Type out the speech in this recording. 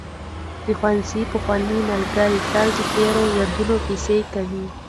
د ښوونځي پخواني ملګري تل د تېرو یادونو کیسې کوي.